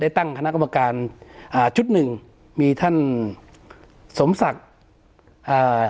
ตั้งคณะกรรมการอ่าชุดหนึ่งมีท่านสมศักดิ์อ่า